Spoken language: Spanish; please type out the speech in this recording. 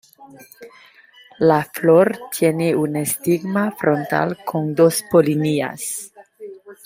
La flor tiene un estigma frontal con dos polinias.